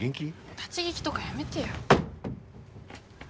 立ち聞きとかやめてよ。